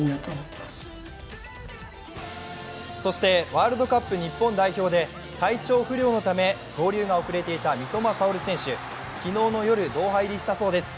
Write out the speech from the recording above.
ワールドカップ日本代表で体調不良のため合流が遅れていた三笘薫選手、昨日の夜ドーハ入りしたということです。